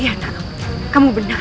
iyan tano kamu benar